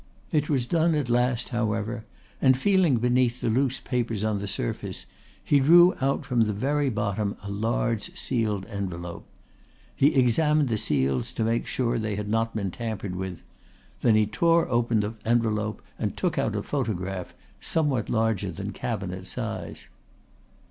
It was done at last however, and feeling beneath the loose papers on the surface he drew out from the very bottom a large sealed envelope. He examined the seals to make sure they had not been tampered with. Then he tore open the envelope and took out a photograph, somewhat larger than cabinet size.